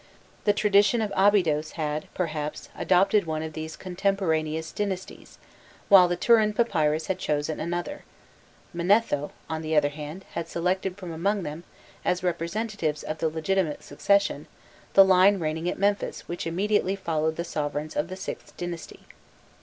The tradition of Abydos had, perhaps, adopted one of these contemporaneous dynasties, while the Turin Papyrus had chosen another: Manetho, on the other hand, had selected from among them, as representatives of the legitimate succession, the line reigning at Memphis which immediately followed the sovereigns of the VIth dynasty.